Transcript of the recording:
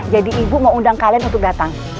jadi ibu mau undang kalian untuk datang